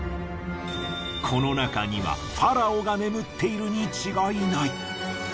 この中にはファラオが眠っているに違いない。